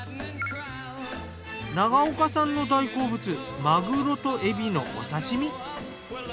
長岡さんの大好物マグロとエビのお刺身。